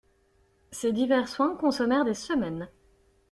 Ces divers soins consommèrent des semaines.